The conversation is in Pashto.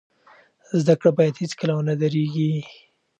زده کړه باید هیڅکله ونه دریږي.